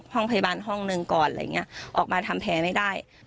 ห้องพยาบาลห้องหนึ่งก่อนอะไรอย่างเงี้ยออกมาทำแผลไม่ได้